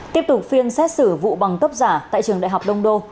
tiếp tục phiên xét xử vụ bằng tốc giả tại trường đại học đông đô